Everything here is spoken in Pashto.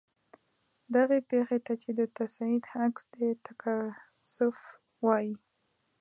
دغې پیښې ته چې د تصعید عکس دی تکاثف وايي.